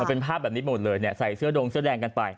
มันเป็นภาพแบบนี้หมดเลยใส่เซื้อดงเซื้อแดงกันไป